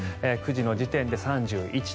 ９時の時点で３１．３度。